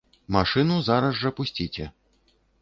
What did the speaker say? Машыну зараз жа пусціце.